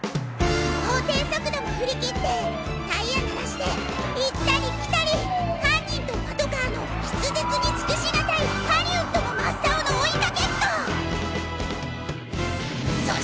「法定速度も振り切ってタイヤ鳴らしていったりきたり犯人とパトカーの筆舌に尽くしがたいハリウッドも真っ青の追いかけっこ！」。